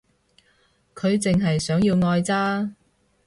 佢淨係想要愛咋